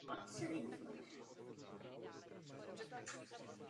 Sněm Hospodářské komory je nejvyšším orgánem Hospodářské komory České republiky.